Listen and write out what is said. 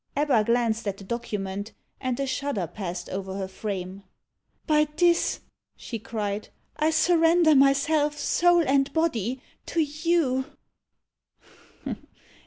Ebba glanced at the document, and a shudder passed over her frame. "By this," she cried, "I surrender myself, soul and body, to you?"